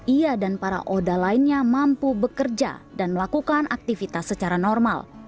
ia dan para oda lainnya mampu bekerja dan melakukan aktivitas secara normal